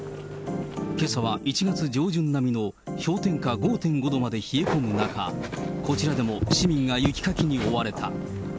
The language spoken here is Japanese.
けさは１月上旬並みの氷点下５．５度まで冷え込む中、こちらでも市民が雪かきに追われた。